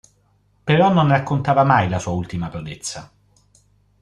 Però non raccontava mai la sua ultima prodezza.